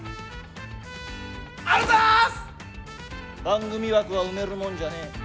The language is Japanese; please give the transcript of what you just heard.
番組枠は埋めるもんじゃねえ。